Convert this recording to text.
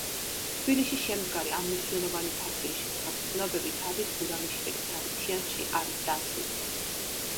თბილისში შემდგარი ამ მნიშვნელოვანი თათბირის შესახებ ცნობები დავით გურამიშვილის „დავითიანში“ არის დაცული.